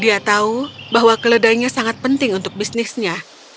dia tahu bahwa keledainya sangat penting untuk bisnisnya